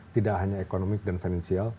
tidak hanya ekonomik dan finansial